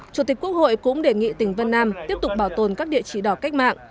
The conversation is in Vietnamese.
chủ tịch quốc hội cũng đề nghị tỉnh vân nam tiếp tục bảo tồn các địa chỉ đỏ cách mạng